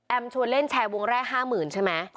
แอมชวนเล่นแชร์วงแร่ห้าหมื่นใช่ไหม